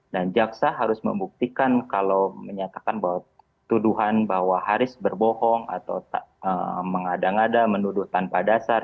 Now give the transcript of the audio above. dan jaksa harus membuktikan kalau menyatakan bahwa tuduhan bahwa haris berbohong atau mengada ngada menuduh tanpa dasar